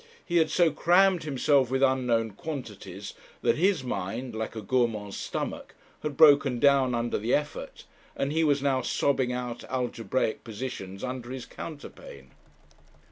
He had so crammed himself with unknown quantities, that his mind like a gourmand's stomach had broken down under the effort, and he was now sobbing out algebraic positions under his counterpane.